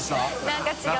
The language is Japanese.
何か違う？